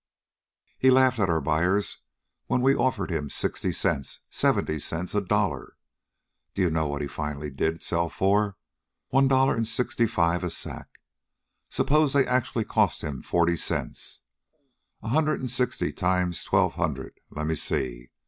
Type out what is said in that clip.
He laughed at our buyers when we offered him sixty cents, seventy cents, a dollar. Do you want to know what he finally did sell for? One dollar and sixty five a sack. Suppose they actually cost him forty cents. A hundred and sixty times twelve hundred... let me see...